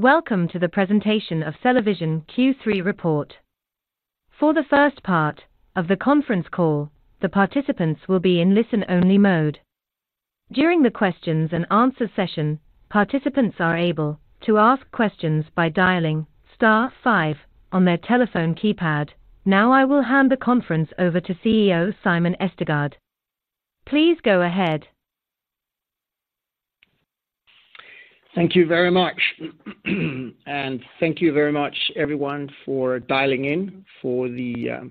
Welcome to the presentation of CellaVision Q3 report. For the first part of the conference call, the participants will be in listen-only mode. During the questions and answer session, participants are able to ask questions by dialing star five on their telephone keypad. Now, I will hand the conference over to CEO, Simon Østergaard. Please go ahead. Thank you very much. And thank you very much everyone for dialing in for the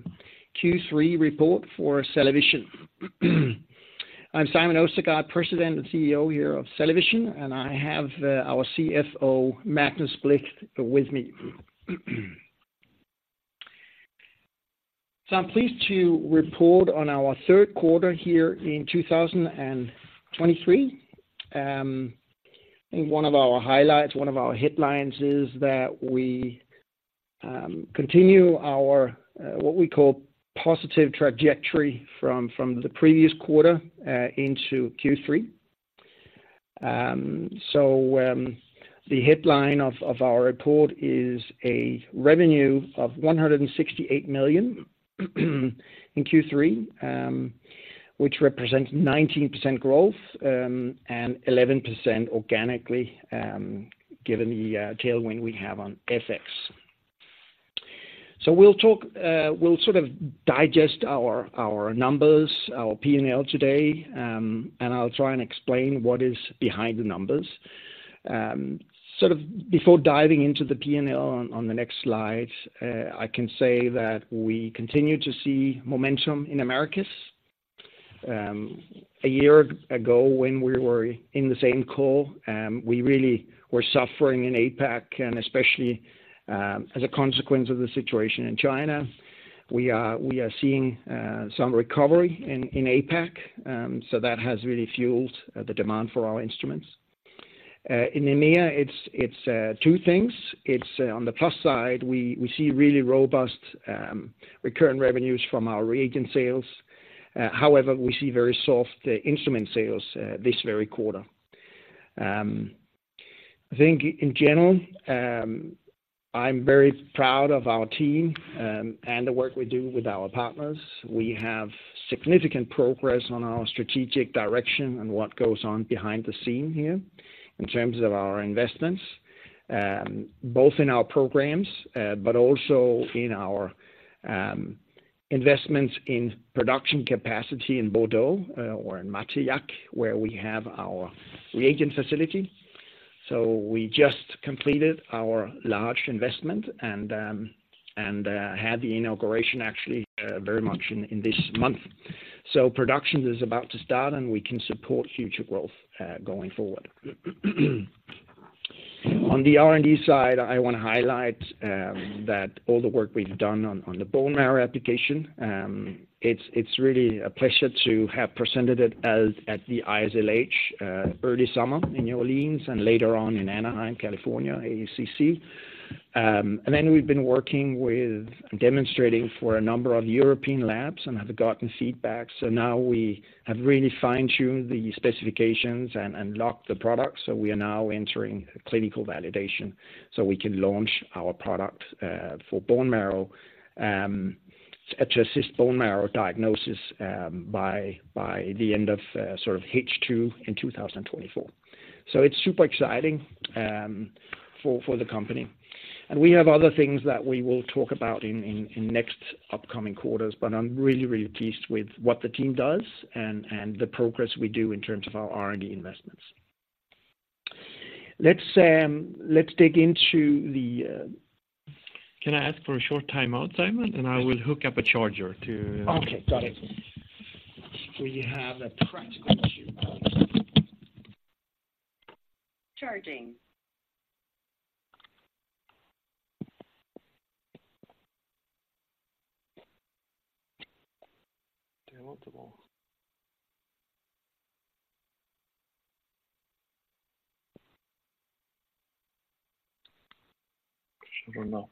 Q3 report for CellaVision. I'm Simon Østergaard, President and CEO here of CellaVision, and I have our CFO, Magnus Blixt, with me. So I'm pleased to report on our Q3 here in 2023. I think one of our highlights, one of our headlines, is that we continue our what we call positive trajectory from the previous quarter into Q3. So the headline of our report is a revenue of 168 million in Q3, which represents 19% growth and 11% organically, given the tailwind we have on FX. So we'll talk—we'll sort of digest our numbers, our P&L today, and I'll try and explain what is behind the numbers. Sort of before diving into the P&L on the next slide, I can say that we continue to see momentum in Americas. A year ago, when we were in the same call, we really were suffering in APAC, and especially, as a consequence of the situation in China. We are seeing some recovery in APAC, so that has really fueled the demand for our instruments. In EMEA, it's two things. It's on the plus side, we see really robust recurrent revenues from our reagent sales. However, we see very soft instrument sales this very quarter. I think in general, I'm very proud of our team, and the work we do with our partners. We have significant progress on our strategic direction and what goes on behind the scene here in terms of our investments, both in our programs, but also in our, investments in production capacity in Bordeaux, or in Martillac, where we have our reagent facility. So we just completed our large investment and, and, had the inauguration, actually, very much in, in this month. So production is about to start, and we can support future growth, going forward. On the R&D side, I want to highlight, that all the work we've done on, on the bone marrow application, it's, it's really a pleasure to have presented it at, at the ISLH, early summer in New Orleans, and later on in Anaheim, California, AACC. And then we've been working with demonstrating for a number of European labs and have gotten feedback. So now we have really fine-tuned the specifications and locked the product, so we are now entering clinical validation, so we can launch our product for bone marrow to assist bone marrow diagnosis by the end of sort of H2 in 2024. So it's super exciting for the company. And we have other things that we will talk about in next upcoming quarters, but I'm really, really pleased with what the team does and the progress we do in terms of our R&D investments. Let's dig into the- Can I ask for a short timeout, Simon? And I will hook up a charger to- Okay, got it. We have a practical issue. Charging. Downloadable. I don't know.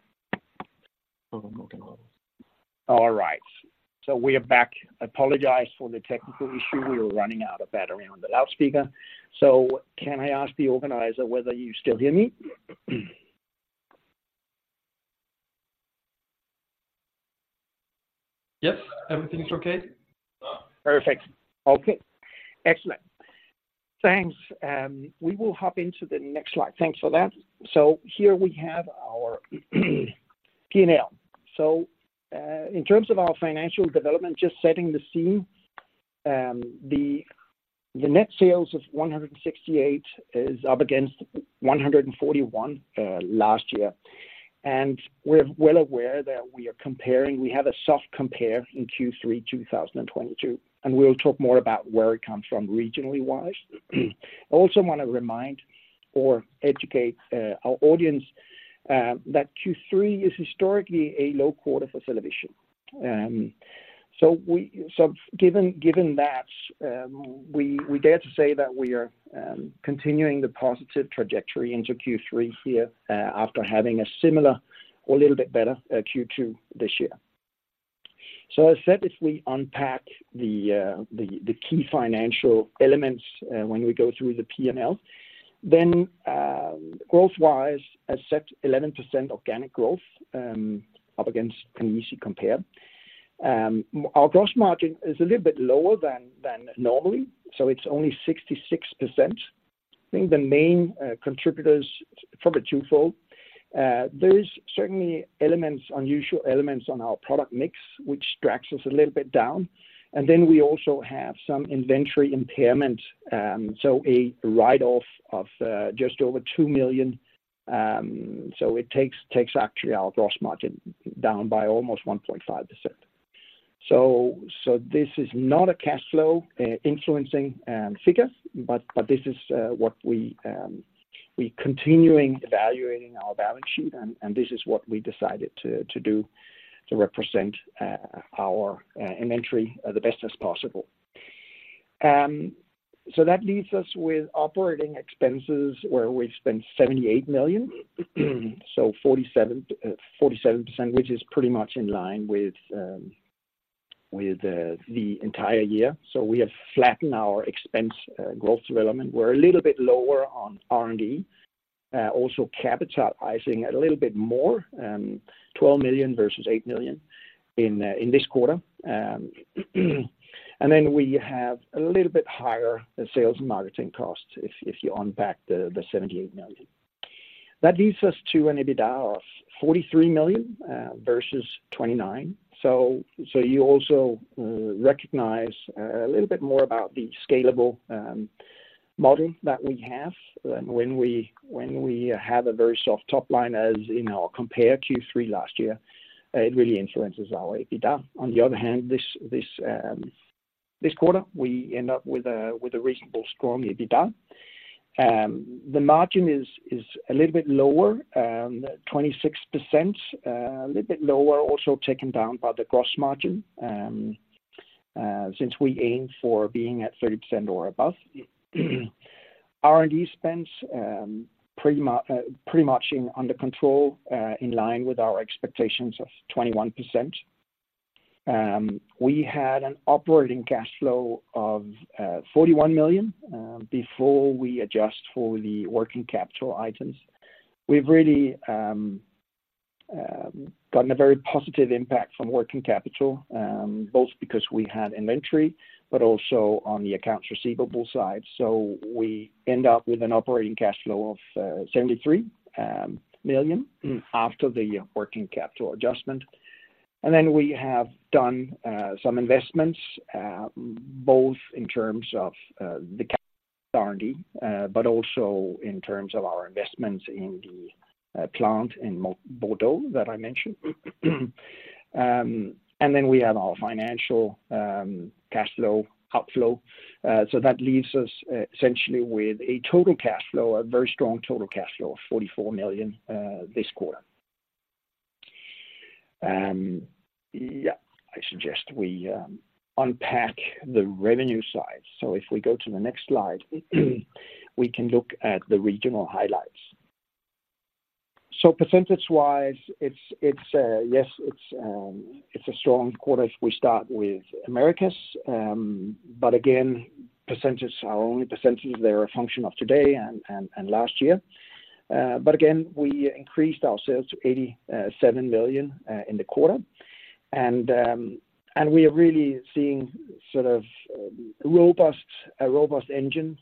Oh, okay, now. All right, so we are back. I apologize for the technical issue. We were running out of battery on the loudspeaker. So can I ask the organizer whether you still hear me? Yes, everything is okay. Perfect. Okay, excellent. Thanks, we will hop into the next slide. Thanks for that. So here we have our P&L. So, in terms of our financial development, just setting the scene, the net sales of 168 is up against 141 last year. And we're well aware that we are comparing. We have a soft compare in Q3 2022, and we'll talk more about where it comes from regionally wise. I also want to remind or educate our audience that Q3 is historically a low quarter for CellaVision. So given that, we dare to say that we are continuing the positive trajectory into Q3 here, after having a similar or a little bit better Q2 this year. So I said, if we unpack the, the key financial elements, when we go through the P&L, then, growth-wise, as said 11% organic growth, up against an easy compare. Our gross margin is a little bit lower than normally, so it's only 66%. I think the main contributors, probably twofold. There is certainly elements, unusual elements on our product mix, which drags us a little bit down, and then we also have some inventory impairment, so a write-off of just over 2 million. So it takes actually our gross margin down by almost 1.5%. So this is not a cash flow influencing figure, but this is what we continuing evaluating our balance sheet, and this is what we decided to do to represent our inventory the best as possible. So that leaves us with operating expenses, where we spend 78 million. So 47%, which is pretty much in line with the entire year. So we have flattened our expense growth development. We're a little bit lower on R&D, also capitalizing a little bit more, 12 million versus 8 million in this quarter. And then we have a little bit higher sales and marketing costs if you unpack the 78 million. That leaves us to an EBITDA of 43 million versus 29. So you also recognize a little bit more about the scalable model that we have. When we have a very soft top line, as in our comparable Q3 last year, it really influences our EBITDA. On the other hand, this quarter, we end up with a reasonable, strong EBITDA. The margin is a little bit lower, 26%, a little bit lower, also taken down by the gross margin. Since we aim for being at 30% or above. R&D spends pretty much under control, in line with our expectations of 21%. We had an operating cash flow of 41 million before we adjust for the working capital items. We've really gotten a very positive impact from working capital, both because we had inventory, but also on the accounts receivable side. So we end up with an operating cash flow of 73 million, after the working capital adjustment. And then we have done some investments, both in terms of the R&D, but also in terms of our investments in the plant in Bordeaux, that I mentioned. And then we have our financial cash flow, outflow. So that leaves us essentially with a total cash flow, a very strong total cash flow of 44 million this quarter. Yeah, I suggest we unpack the revenue side. So if we go to the next slide, we can look at the regional highlights. So percentage-wise, it's a strong quarter if we start with Americas, but again, percentages are only percentages. They're a function of today and last year. But again, we increased our sales to 87 million in the quarter. And we are really seeing sort of a robust engine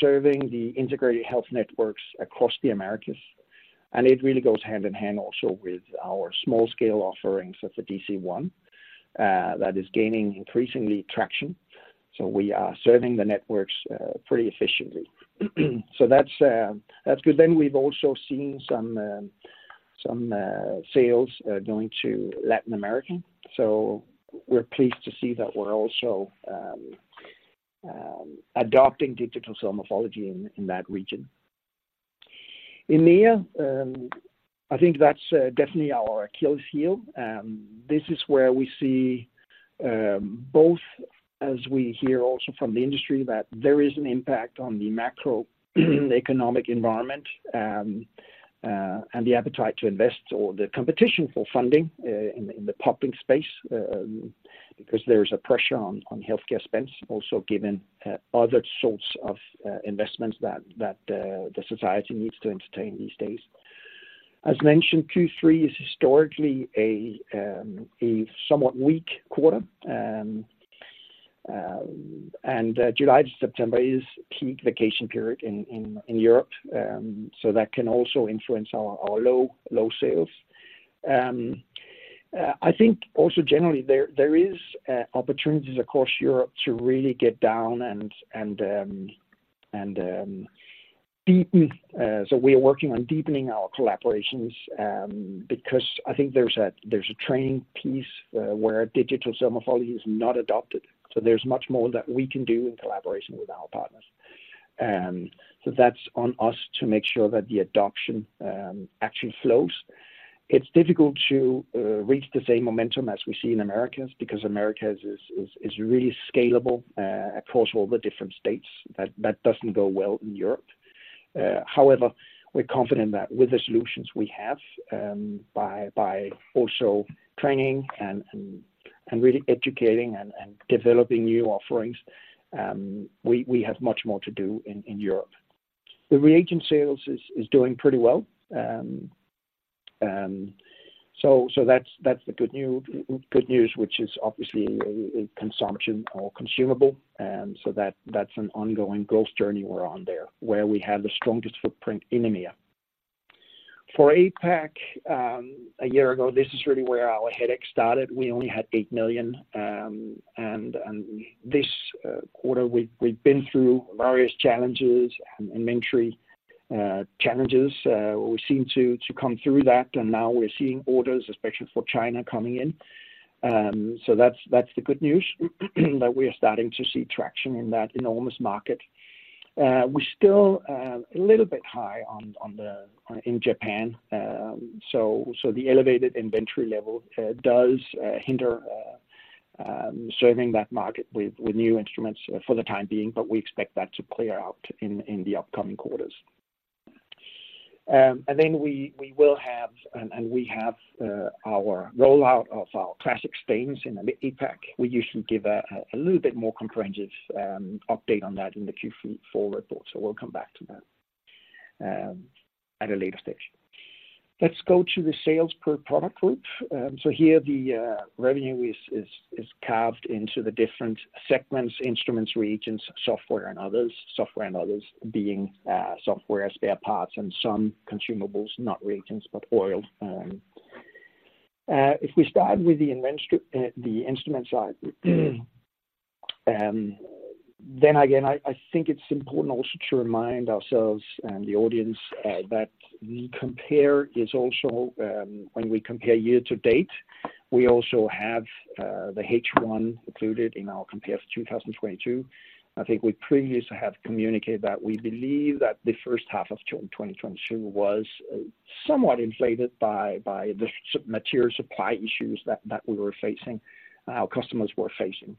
serving the integrated health networks across the Americas. And it really goes hand in hand also with our small-scale offerings of the DC-1 that is gaining increasingly traction. So we are serving the networks pretty efficiently. So that's good. Then we've also seen some sales going to Latin America. So we're pleased to see that we're also adopting digital morphology in that region. EMEA, I think that's definitely our Achilles heel. This is where we see both as we hear also from the industry, that there is an impact on the macroeconomic environment, and the appetite to invest or the competition for funding in the popping space, because there's a pressure on healthcare spends, also given other sorts of investments that the society needs to entertain these days. As mentioned, Q3 is historically a somewhat weak quarter. July to September is peak vacation period in Europe, so that can also influence our low sales. I think also generally there is opportunities across Europe to really get down and deepen, so we are working on deepening our collaborations, because I think there's a training piece where digital cell morphology is not adopted. So there's much more that we can do in collaboration with our partners. So that's on us to make sure that the adoption actually flows. It's difficult to reach the same momentum as we see in Americas, because Americas is really scalable across all the different states. That doesn't go well in Europe. However, we're confident that with the solutions we have, by also training and really educating and developing new offerings, we have much more to do in Europe. The reagent sales is doing pretty well. And so that's the good news, which is obviously a consumption or consumable, and that's an ongoing growth journey we're on there, where we have the strongest footprint in EMEA. For APAC, a year ago, this is really where our headache started. We only had 8 million, and this quarter, we've been through various challenges and inventory challenges. We seem to come through that, and now we're seeing orders, especially for China, coming in. So that's the good news, that we are starting to see traction in that enormous market. We're still a little bit high on inventory in Japan. So, the elevated inventory level does hinder serving that market with new instruments for the time being, but we expect that to clear out in the upcoming quarters. And then we will have, and we have our rollout of our classic stains in the APAC. We usually give a little bit more comprehensive update on that in the Q4 full report, so we'll come back to that at a later stage. Let's go to the sales per product group. So here the revenue is carved into the different segments: instruments, reagents, software, and others. Software and others being software, spare parts, and some consumables, not reagents, but oil. If we start with the inventory, the instrument side, then again, I think it's important also to remind ourselves and the audience, that the compare is also, when we compare year to date, we also have the H1 included in our compare of 2022. I think we previously have communicated that we believe that the H1 of 2022 was somewhat inflated by the material supply issues that we were facing, our customers were facing.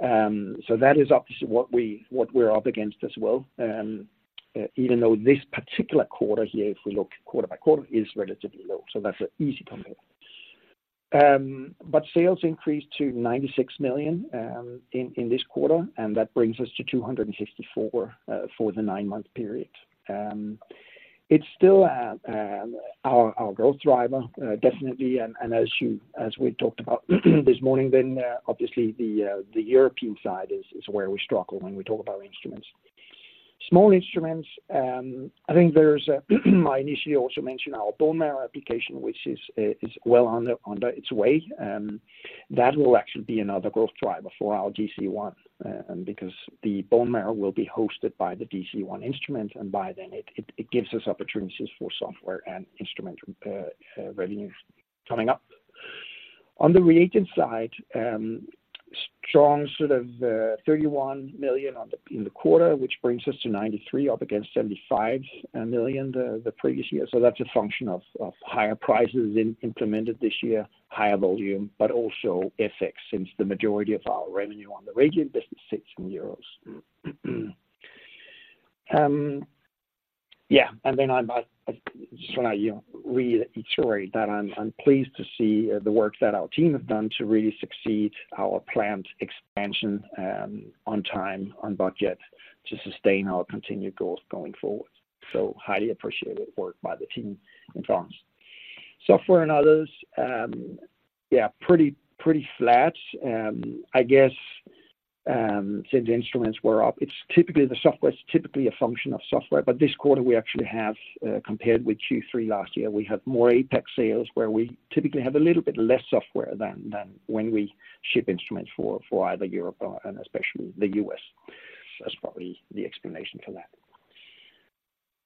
So that is obviously what we're up against as well. Even though this particular quarter here, if we look quarter-by-quarter, is relatively low, so that's an easy compare. But sales increased to 96 million in this quarter, and that brings us to 264 million for the nine-month period. It's still our growth driver definitely, and as we talked about this morning, then obviously the European side is where we struggle when we talk about instruments. Small instruments, I think there's a—I initially also mentioned our bone marrow application, which is well underway, that will actually be another growth driver for our DC-1, because the bone marrow will be hosted by the DC-1 instrument, and by then, it gives us opportunities for software and instrument revenues coming up. On the reagent side, strong sort of, 31 million in the quarter, which brings us to 93 million, up against 75 million the previous year. So that's a function of higher prices implemented this year, higher volume, but also FX, since the majority of our revenue on the reagent business sits in euros. And then I might just want to, you know, reiterate that I'm pleased to see the work that our team has done to really succeed our planned expansion, on time, on budget, to sustain our continued growth going forward. So highly appreciated work by the team in France. Software and others, yeah, pretty flat. I guess, since the instruments were up, it's typically the software—it's typically a function of software, but this quarter we actually have, compared with Q3 last year, we have more APAC sales, where we typically have a little bit less software than when we ship instruments for either Europe or and especially the US. That's probably the explanation for that.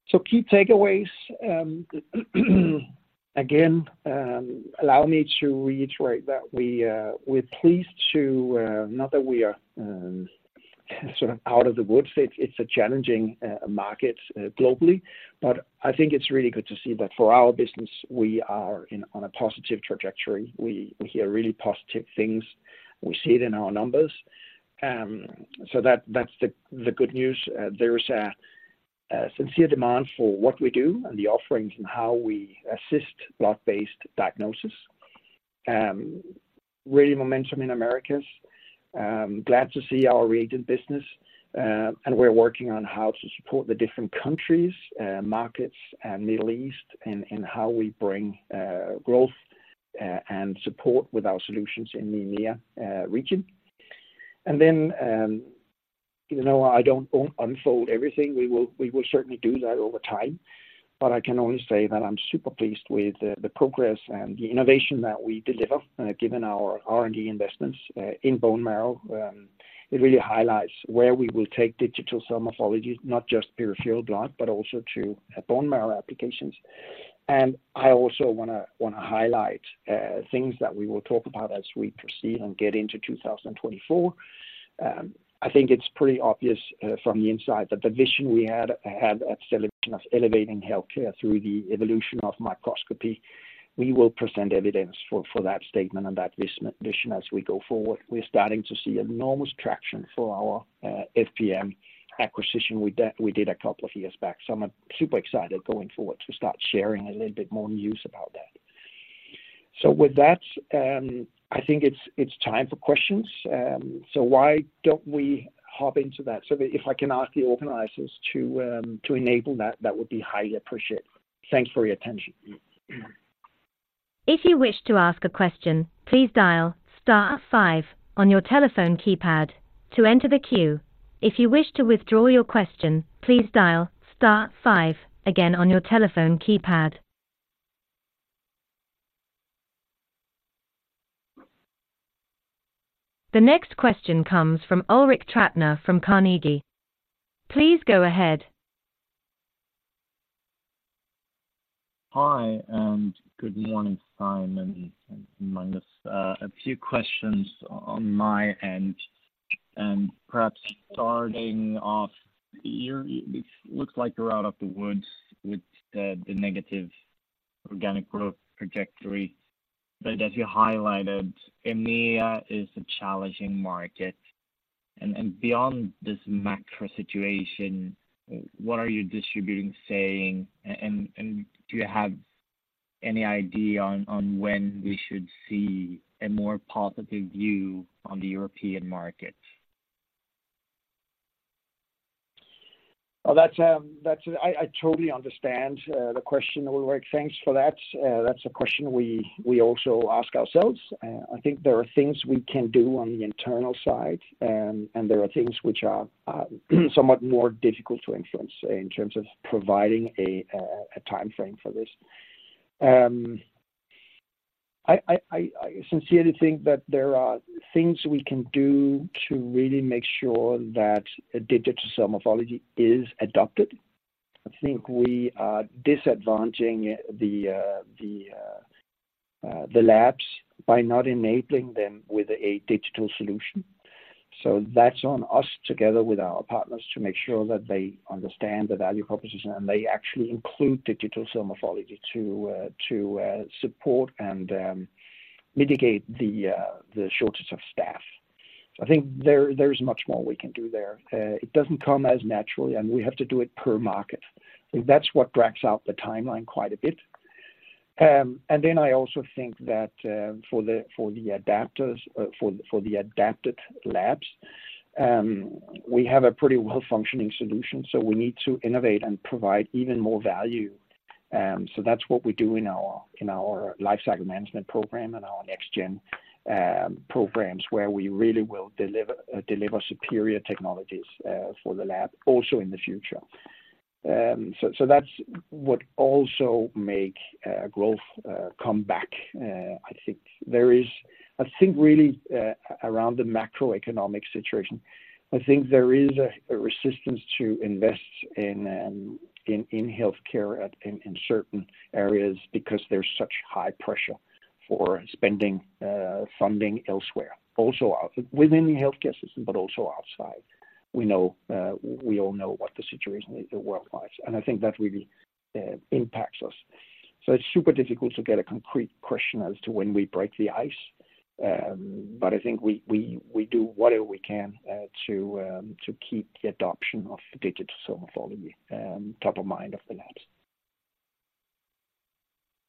So key takeaways, again, allow me to reiterate that we're pleased to not that we are sort of out of the woods. It's a challenging market globally, but I think it's really good to see that for our business, we are on a positive trajectory. We hear really positive things. We see it in our numbers. So that's the good news. There is a sincere demand for what we do and the offerings and how we assist blood-based diagnosis. Really momentum in Americas. Glad to see our reagent business, and we're working on how to support the different countries, markets, and Middle East, and how we bring growth, and support with our solutions in the EMEA region. Then, even though I don't unfold everything, we will, we will certainly do that over time, but I can only say that I'm super pleased with the progress and the innovation that we deliver, given our R&D investments in bone marrow. It really highlights where we will take digital cell morphology, not just peripheral blood, but also to bone marrow applications. I also wanna highlight things that we will talk about as we proceed and get into 2024. I think it's pretty obvious from the inside that the vision we had, have at CellaVision of elevating healthcare through the evolution of microscopy—we will present evidence for that statement and that vision as we go forward. We're starting to see enormous traction for our FPM acquisition we did a couple of years back. So I'm super excited going forward to start sharing a little bit more news about that. So with that, I think it's time for questions. So why don't we hop into that? So if I can ask the organizers to enable that, that would be highly appreciated. Thanks for your attention. If you wish to ask a question, please dial star five on your telephone keypad to enter the queue. If you wish to withdraw your question, please dial star five again on your telephone keypad. The next question comes from Ulrik Trattner from Carnegie. Please go ahead. Hi, and good morning, Simon and Magnus. I have a few questions on my end, and perhaps starting off, it looks like you're out of the woods with the negative organic growth trajectory. But as you highlighted, EMEA is a challenging market, and beyond this macro situation, what are your distributors saying, and do you have any idea on when we should see a more positive view on the European market? Well, that's—I totally understand the question, Ulrik. Thanks for that. That's a question we also ask ourselves. I think there are things we can do on the internal side, and there are things which are somewhat more difficult to influence in terms of providing a timeframe for this. I sincerely think that there are things we can do to really make sure that a digital cell morphology is adopted. I think we are disadvantaging the labs by not enabling them with a digital solution. So that's on us, together with our partners, to make sure that they understand the value proposition, and they actually include digital cell morphology to support and mitigate the shortage of staff. I think there, there's much more we can do there. It doesn't come as naturally, and we have to do it per market. I think that's what drags out the timeline quite a bit. And then I also think that for the adapters, for the adapted labs, we have a pretty well-functioning solution, so we need to innovate and provide even more value. So that's what we do in our lifecycle management program and our next gen programs, where we really will deliver superior technologies for the lab also in the future. So that's what also make growth come back. I think really around the macroeconomic situation, I think there is a resistance to invest in healthcare in certain areas because there's such high pressure for spending funding elsewhere, also within the healthcare system, but also outside. We know, we all know what the situation in the world is, and I think that really impacts us. So it's super difficult to get a concrete question as to when we break the ice, but I think we do whatever we can to keep the adoption of the digital cell morphology top of mind of the labs.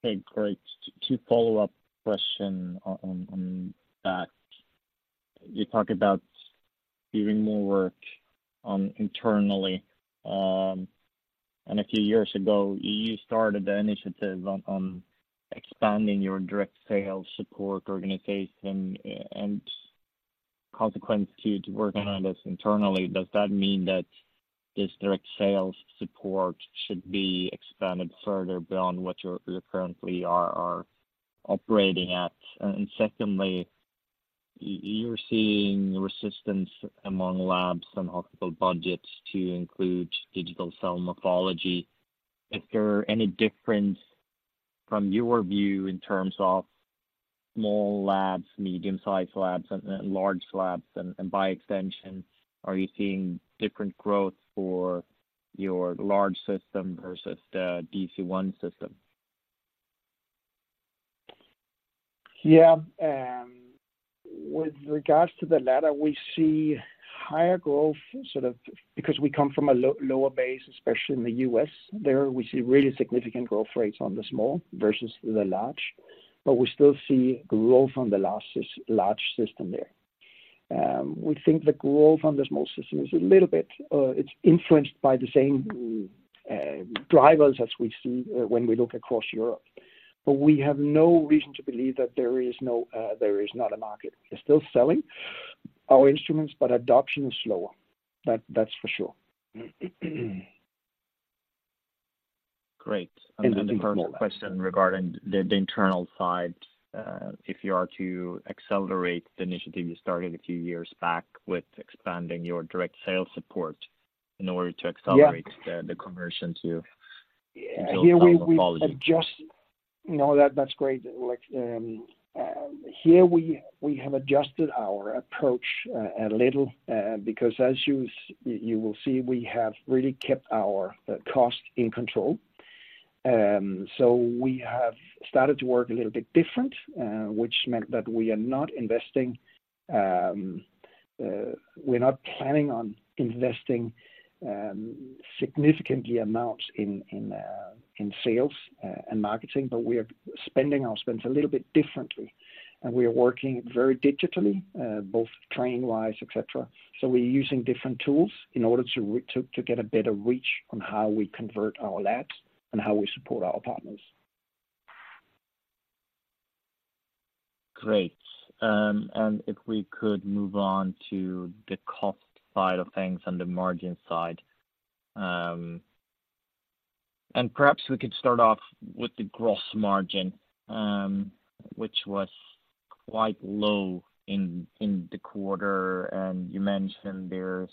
Okay, great. Two follow-up question on that. You talk about doing more work internally, and a few years ago, you started the initiative on expanding your direct sales support organization and consequence to you to working on this internally. Does that mean that this direct sales support should be expanded further beyond what you're you currently are operating at? And secondly, you're seeing resistance among labs and hospital budgets to include digital cell morphology. Is there any difference from your view in terms of small labs, medium-sized labs, and then large labs, and by extension, are you seeing different growth for your large system versus the DC-1 system? Yeah, with regards to the later, we see higher growth, sort of because we come from a lower base, especially in the U.S. There, we see really significant growth rates on the small versus the large, but we still see growth on the last large system there. We think the growth on the small system is a little bit, it's influenced by the same drivers as we see when we look across Europe. But we have no reason to believe that there is no, there is not a market. We're still selling our instruments, but adoption is slower. That, that's for sure. Great. The first question regarding the internal side, if you are to accelerate the initiative you started a few years back with expanding your direct sales support in order to accelerate- Yeah the conversion to digital technology. Yeah, we adjust. No, that's great, Ulrik. Here we have adjusted our approach a little, because as you will see, we have really kept our cost in control. So we have started to work a little bit different, which meant that we are not investing. We're not planning on investing significantly amounts in sales and marketing, but we are spending our spends a little bit differently. And we are working very digitally, both training-wise, etc. So we're using different tools in order to get a better reach on how we convert our labs and how we support our partners. Great. And if we could move on to the cost side of things and the margin side and perhaps we could start off with the gross margin, which was quite low in the quarter, and you mentioned there's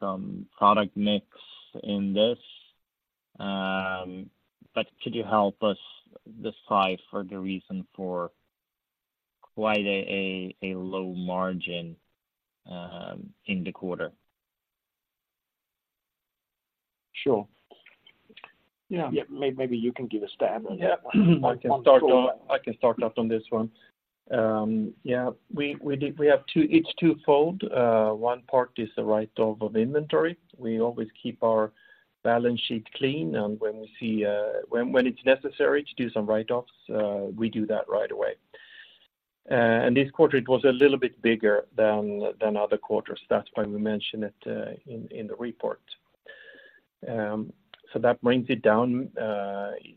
some product mix in this. But could you help us decipher the reason for quite a low margin in the quarter? Sure. Yeah. Yeah. Maybe you can give a stab on that one. Yeah. I can start off on this one. We have two; it's twofold. One part is the write-off of inventory. We always keep our balance sheet clean, and when we see... when it's necessary to do some write-offs, we do that right away. And this quarter, it was a little bit bigger than other quarters. That's why we mentioned it in the report. So that brings it down.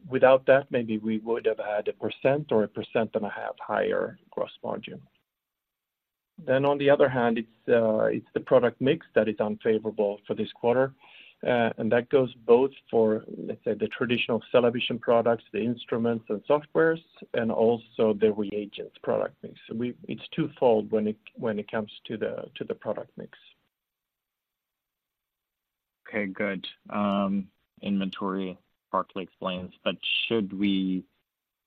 Without that, maybe we would have had 1% or 1.5% higher gross margin. Then on the other hand, it's the product mix that is unfavorable for this quarter. And that goes both for, let's say, the traditional CellaVision products, the instruments and software, and also the reagents product mix. So it's twofold when it comes to the product mix. Okay, good. Inventory partly explains, but should we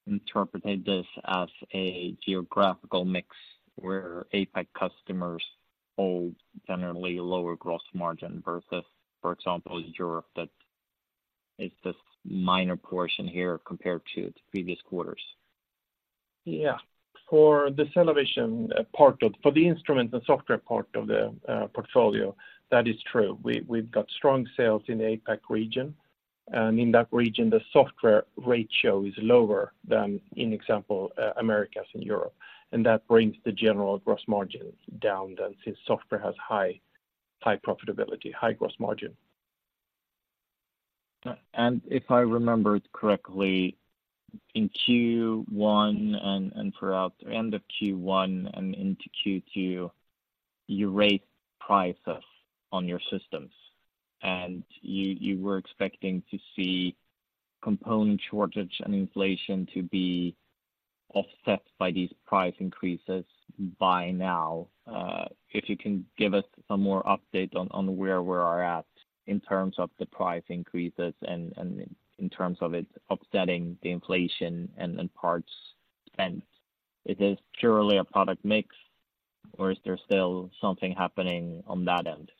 interpret this as a geographical mix, where APAC customers hold generally lower gross margin versus, for example, Europe, that is this minor portion here compared to the previous quarters? Yeah. For the CellaVision part of—for the instrument and software part of the portfolio, that is true. We, we've got strong sales in the APAC region, and in that region, the software ratio is lower than in example, Americas and Europe. And that brings the general gross margin down than since software has high, high profitability, high gross margin. And if I remember it correctly, in Q1 and throughout the end of Q1 and into Q2, you raised prices on your systems, and you were expecting to see component shortage and inflation to be offset by these price increases by now. If you can give us some more update on where we are at in terms of the price increases and in terms of it offsetting the inflation and parts spent. Is it purely a product mix, or is there still something happening on that end?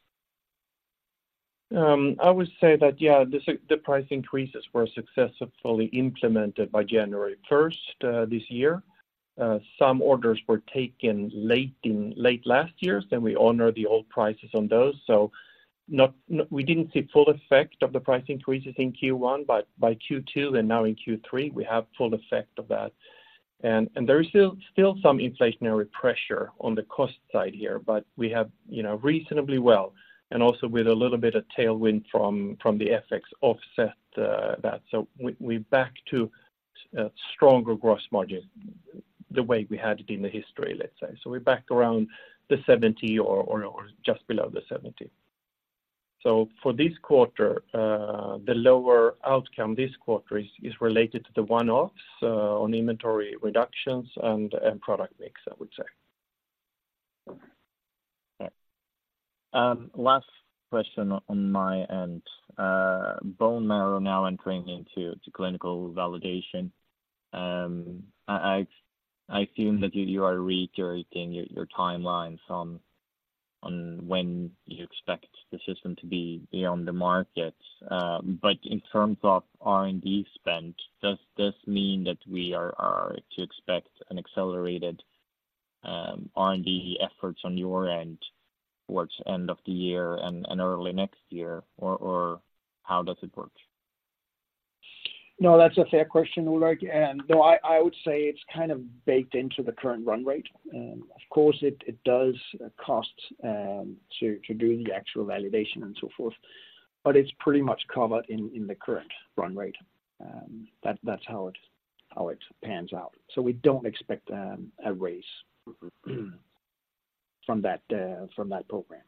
I would say that, yeah, the price increases were successfully implemented by January first, this year. Some orders were taken late last year, then we honor the old prices on those. So we didn't see full effect of the price increases in Q1, but by Q2 and now in Q3, we have full effect of that. And there is still some inflationary pressure on the cost side here, but we have, you know, reasonably well, and also with a little bit of tailwind from the FX offset, that. So we're back to stronger gross margin, the way we had it in the history, let's say. So we're back around the 70% or just below the 70%. So for this quarter, the lower outcome this quarter is related to the one-offs on inventory reductions and product mix, I would say. Okay. Last question on my end. Bone marrow now entering into clinical validation. I assume that you are reiterating your timelines on when you expect the system to be beyond the market. But in terms of R&D spend, does this mean that we are to expect an accelerated R&D efforts on your end, towards end of the year and early next year, or how does it work? No, that's a fair question, Ulrik, and though I, I would say it's kind of baked into the current run rate. Of course, it does cost to do the actual validation and so forth, but it's pretty much covered in the current run rate. That's how it pans out. So we don't expect a raise- from that, from that program.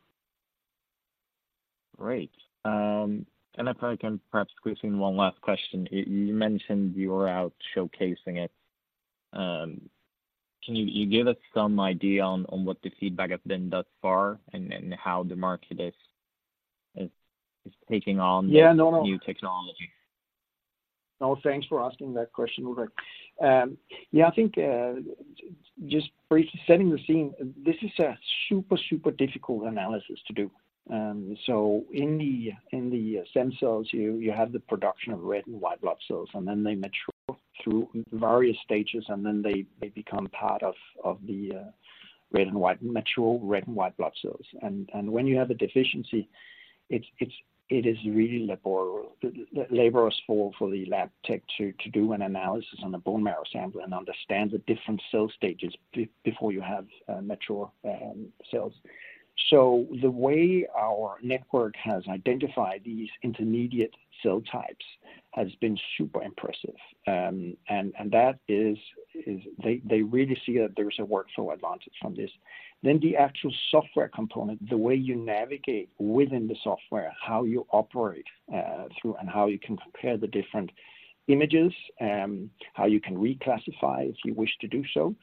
Great. And if I can perhaps squeeze in one last question. You mentioned you were out showcasing it. Can you give us some idea on what the feedback has been thus far and how the market is taking on- Yeah, no, no. this new technology? No, thanks for asking that question, Ulrik. Yeah, I think, just briefly setting the scene, this is a super, super difficult analysis to do. So in the stem cells, you have the production of red and white blood cells, and then they mature through various stages, and then they become part of the red and white, mature red and white blood cells. And when you have a deficiency, it's really laborious for the lab tech to do an analysis on a bone marrow sample and understand the different cell stages before you have mature cells. So the way our network has identified these intermediate cell types has been super impressive. And that is, they really see that there's a workflow advantage from this. Then the actual software component, the way you navigate within the software, how you operate through, and how you can compare the different images, how you can reclassify if you wish to do so.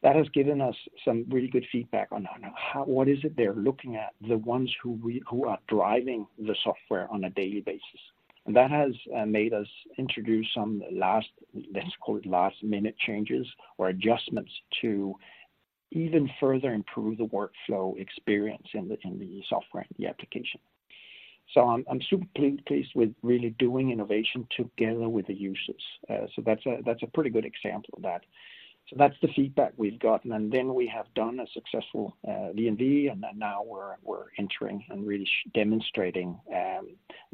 That has given us some really good feedback on how... what is it they're looking at, the ones who are driving the software on a daily basis. And that has made us introduce some last, let's call it, last-minute changes or adjustments to even further improve the workflow experience in the software and the application. So I'm super pleased with really doing innovation together with the users. So that's a pretty good example of that. So that's the feedback we've gotten, and then we have done a successful DND, and then now we're entering and really demonstrating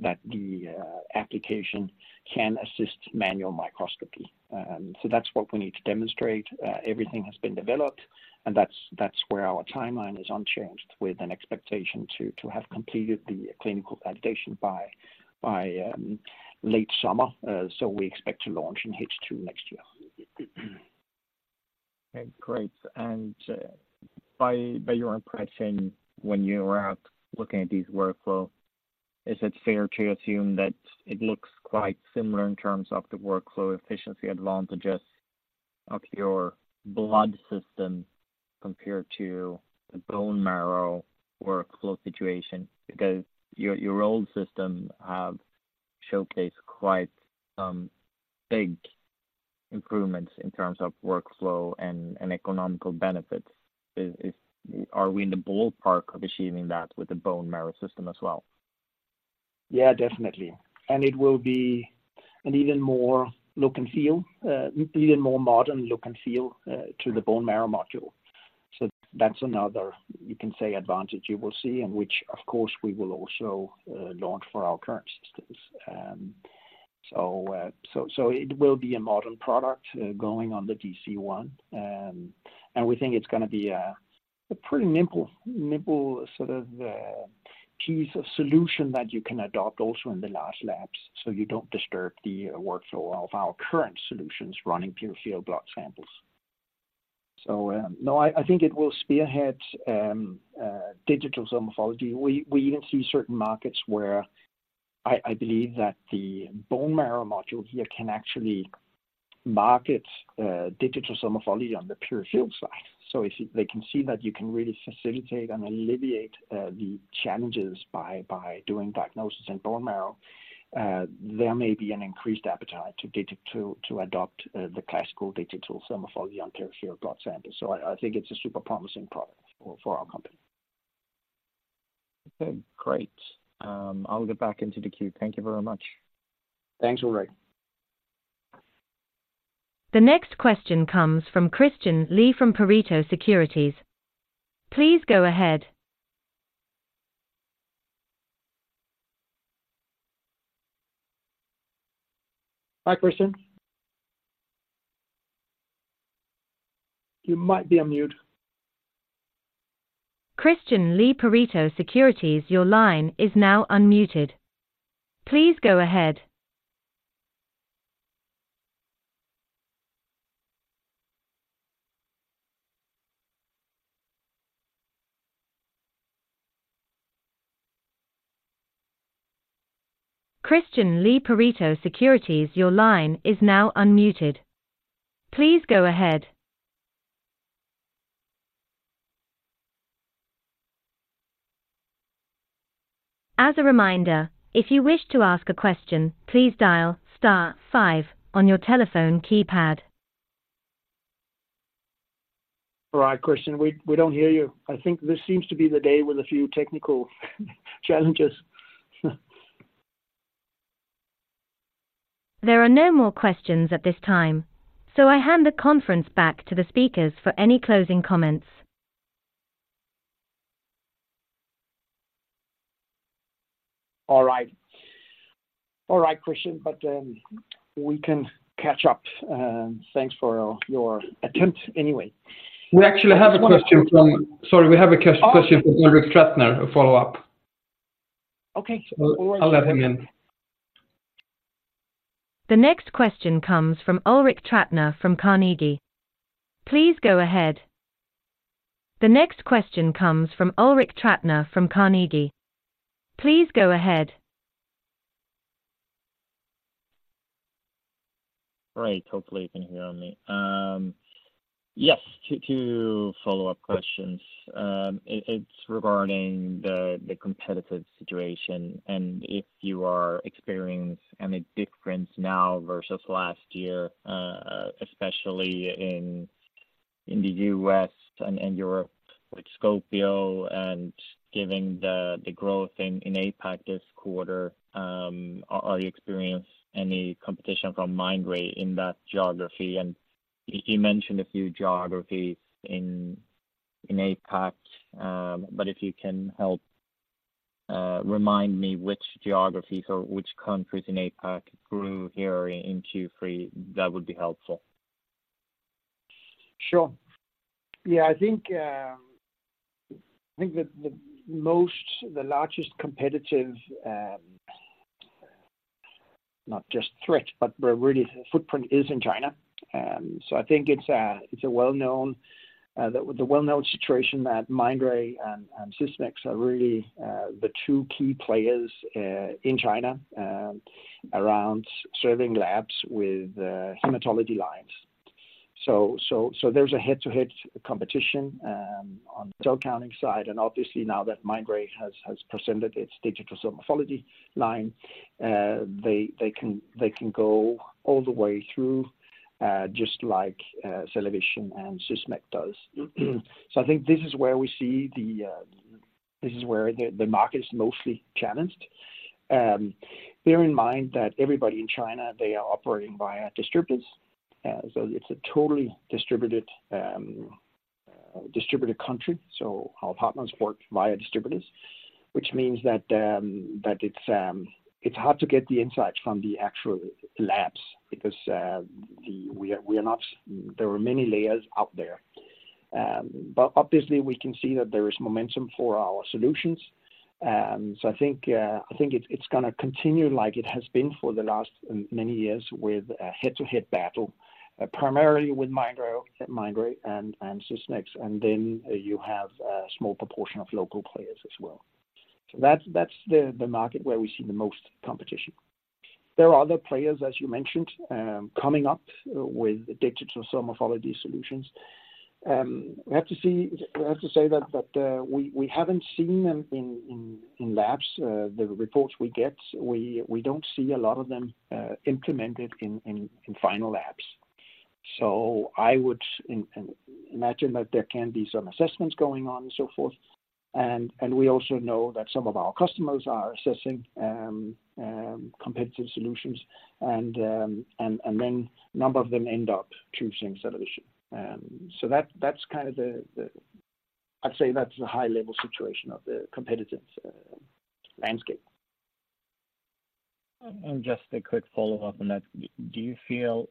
that the application can assist manual microscopy. So that's what we need to demonstrate. Everything has been developed, and that's where our timeline is unchanged, with an expectation to have completed the clinical validation by late summer. So we expect to launch in H2 next year. Okay, great. By your impression, when you are out looking at this workflow, is it fair to assume that it looks quite similar in terms of the workflow efficiency advantages of your blood system compared to the bone marrow workflow situation? Because your old system showcased quite some big improvements in terms of workflow and economical benefits. Are we in the ballpark of achieving that with the bone marrow system as well? Yeah, definitely. And it will be an even more look and feel, even more modern look and feel, to the bone marrow module. So that's another, you can say, advantage you will see, and which, of course, we will also launch for our current systems. So it will be a modern product, going on the DC-1. And we think it's gonna be a pretty nimble sort of piece of solution that you can adopt also in the large labs, so you don't disturb the workflow of our current solutions running peripheral blood samples. So, no, I think it will spearhead digital morphology. We even see certain markets where I believe that the bone marrow module here can actually market digital morphology on the peripheral side. So if they can see that you can really facilitate and alleviate the challenges by, by doing diagnosis in bone marrow, there may be an increased appetite to, to adopt the classical digital morphology on peripheral blood samples. So I, I think it's a super promising product for, for our company. Okay, great. I'll get back into the queue. Thank you very much. Thanks, Ulrik. The next question comes from Christian Lee from Pareto Securities. Please go ahead. Hi, Christian. You might be on mute. Christian Lee, Pareto Securities, your line is now unmuted. Please go ahead. Christian Lee, Pareto Securities, your line is now unmuted. Please go ahead. As a reminder, if you wish to ask a question, please dial star five on your telephone keypad. All right, Christian, we don't hear you. I think this seems to be the day with a few technical challenges. There are no more questions at this time, so I hand the conference back to the speakers for any closing comments. All right. All right, Christian, but, we can catch up, and thanks for your attempt anyway. We actually have a question from... Sorry, we have a question from Ulrik Trattner, a follow-up. Okay. I'll let him in. The next question comes from Ulrik Trattner from Carnegie. Please go ahead. The next question comes from Ulrik Trattner from Carnegie. Please go ahead. Great. Hopefully, you can hear me. Yes, two follow-up questions. It's regarding the competitive situation and if you are experiencing any difference now versus last year, especially in the U.S. and Europe with Scopio and given the growth in APAC this quarter, are you experiencing any competition from Mindray in that geography? And you mentioned a few geographies in APAC, but if you can help remind me which geographies or which countries in APAC grew here in Q3, that would be helpful. Sure. Yeah, I think that the largest competitive, not just threat, but where really the footprint is in China. So I think it's a well-known situation that Mindray and Sysmex are really the two key players in China around serving labs with hematology lines. So there's a head-to-head competition on the cell counting side, and obviously now that Mindray has presented its digital morphology line, they can go all the way through, just like CellaVision and Sysmex does. So I think this is where we see. This is where the market is mostly challenged. Bear in mind that everybody in China, they are operating via distributors. So it's a totally distributed country. So our partners work via distributors, which means that it's hard to get the insights from the actual labs because there are many layers out there. But obviously we can see that there is momentum for our solutions. So I think it's gonna continue like it has been for the last many years with a head-to-head battle, primarily with Mindray and Sysmex, and then you have a small proportion of local players as well. So that's the market where we see the most competition. There are other players, as you mentioned, coming up with digital morphology solutions. We have to say that, but we haven't seen them in labs. The reports we get, we don't see a lot of them implemented in final labs. So I would imagine that there can be some assessments going on and so forth. And we also know that some of our customers are assessing competitive solutions and then a number of them end up choosing CellaVision. So that's kind of the... I'd say that's the high level situation of the competitive landscape. Just a quick follow-up on that. Do you feel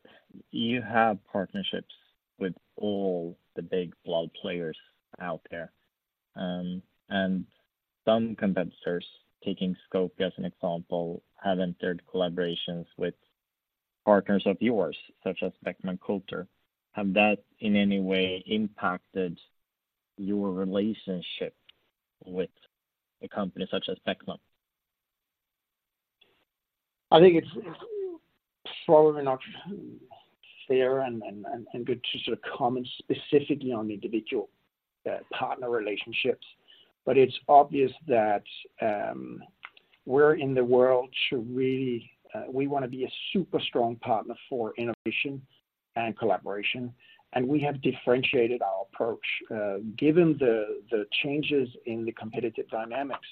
you have partnerships with all the big blood players out there? And some competitors, taking Scopio as an example, have entered collaborations with partners of yours, such as Beckman Coulter. Has that, in any way, impacted your relationship with a company such as Beckman? I think it's probably not fair and good to sort of comment specifically on individual partner relationships. But it's obvious that we're in the world to really we wanna be a super strong partner for innovation and collaboration, and we have differentiated our approach. Given the changes in the competitive dynamics,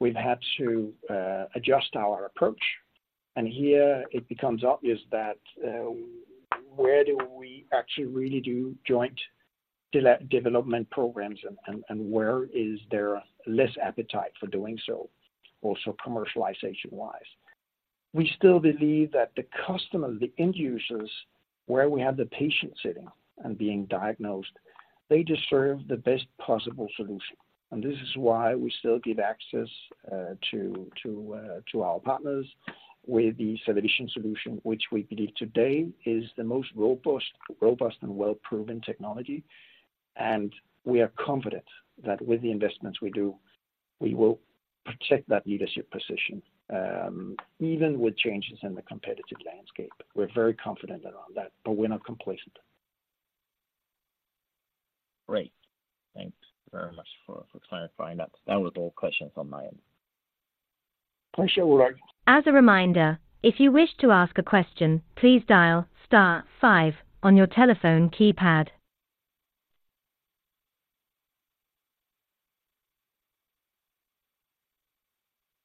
we've had to adjust our approach, and here it becomes obvious that where do we actually really do joint development programs and where is there less appetite for doing so, also commercialization-wise we still believe that the customer, the end users, where we have the patient sitting and being diagnosed, they deserve the best possible solution. This is why we still give access to our partners with the CellaVision solution, which we believe today is the most robust and well-proven technology. We are confident that with the investments we do, we will protect that leadership position, even with changes in the competitive landscape. We're very confident around that, but we're not complacent. Great. Thanks very much for clarifying that. That was all questions on my end. For sure. As a reminder, if you wish to ask a question, please dial star five on your telephone keypad.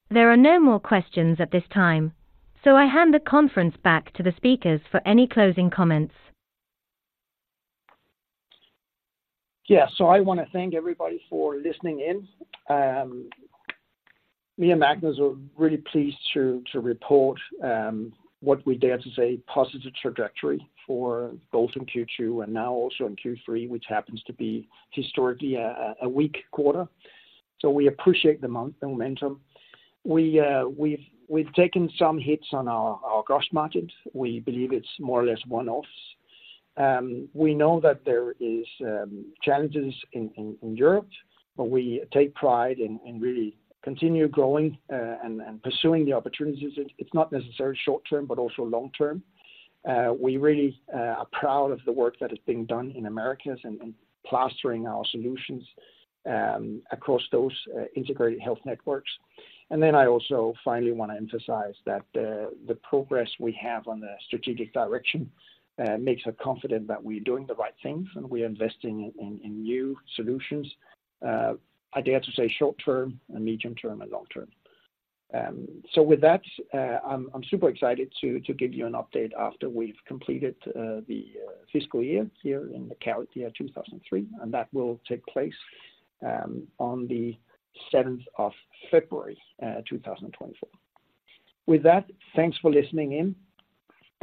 There are no more questions at this time, so I hand the conference back to the speakers for any closing comments. Yeah. So I wanna thank everybody for listening in. Me and Magnus are really pleased to report what we dare to say, positive trajectory for both in Q2 and now also in Q3, which happens to be historically a weak quarter. So we appreciate the momentum. We've taken some hits on our gross margins. We believe it's more or less one-offs. We know that there is challenges in Europe, but we take pride in really continue growing and pursuing the opportunities. It's not necessarily short term, but also long term. We really are proud of the work that is being done in Americas and plastering our solutions across those integrated health networks. And then I also finally wanna emphasize that the progress we have on the strategic direction makes us confident that we're doing the right things and we're investing in new solutions, I dare to say short term and medium term and long term. So with that, I'm super excited to give you an update after we've completed the fiscal year here in the calendar year 2023, and that will take place on the 7th of February 2024. With that, thanks for listening in.